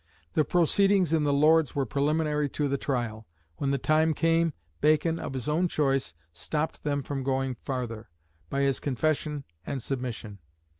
The proceedings in the Lords were preliminary to the trial; when the time came, Bacon, of his own choice, stopped them from going farther, by his confession and submission.